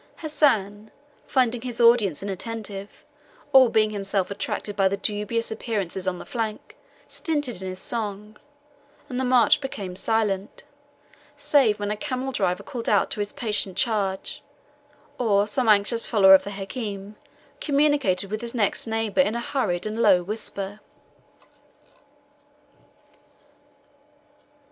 Hassan, finding his audience inattentive, or being himself attracted by the dubious appearances on the flank, stinted in his song; and the march became silent, save when a camel driver called out to his patient charge, or some anxious follower of the Hakim communicated with his next neighbour in a hurried and low whisper.